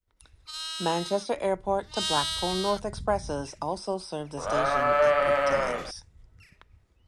Manchester Airport to Blackpool North expresses also serve the station at peak times.